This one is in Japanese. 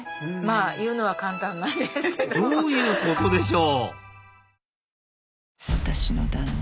言うのは簡単なんですけど。どういうことでしょう？